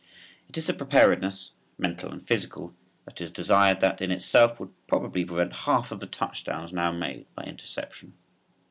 It is a preparedness, mental and physical, that is desired that in itself would probably prevent half of the touchdowns now made by interception.